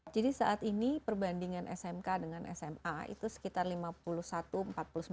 jadi saat ini perbandingan smk dengan sma itu sekitar lima puluh satu empat puluh sembilan persen